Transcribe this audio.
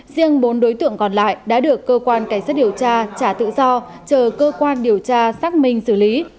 riêng bốn đối tượng còn lại đã được cơ quan cảnh sát điều tra trả tự do chờ cơ quan điều tra xác minh xử lý